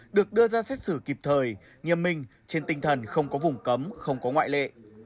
được đưa ra xét xử kịp thời nghiêm minh trên tinh thần không có vùng cấm không có ngoại lệ